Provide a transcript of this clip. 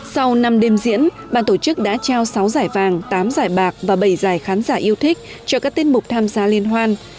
sau năm đêm diễn bàn tổ chức đã trao sáu giải vàng tám giải bạc và bảy giải khán giả yêu thích cho các tiết mục tham gia liên hoan